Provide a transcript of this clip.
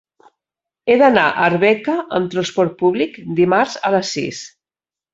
He d'anar a Arbeca amb trasport públic dimarts a les sis.